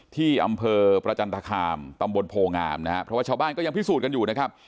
ที่อำเภอประจันทคามตำบลโพงามนะฮะเพราะว่าชาวบ้านก็ยังพิสูจน์กันอยู่นะครับ